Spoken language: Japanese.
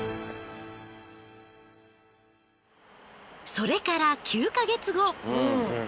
それから９か月後。